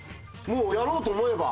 やろうと思えば。